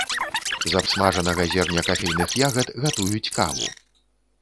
З абсмажанага зерня кафейных ягад гатуюць каву.